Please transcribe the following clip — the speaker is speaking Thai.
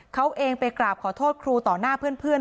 เขาเองไปกราบขอโทษครูต่อหน้าเพื่อน